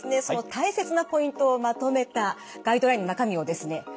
その大切なポイントをまとめたガイドラインの中身をですね